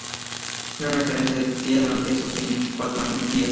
Fue regente de Castilla durante esos veinticuatro días.